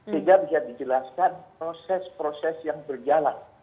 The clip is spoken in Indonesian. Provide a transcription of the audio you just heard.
sehingga bisa dijelaskan proses proses yang berjalan